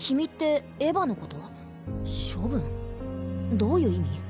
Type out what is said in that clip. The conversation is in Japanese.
どういう意味？